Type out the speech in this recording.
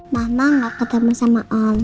mama gak ketemu sama allah